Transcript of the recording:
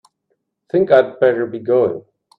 Think I'd better be going.